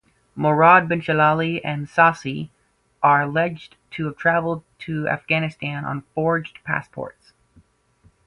Mourad Benchellali and Sassi are alleged to have traveled to Afghanistan on forged passports.